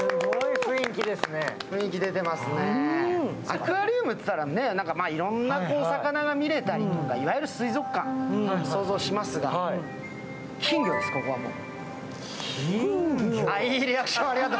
アクアリウムっていったらね、いろんな魚が見れたりいわゆる水族館を想像しますが、金魚です、ここはもう。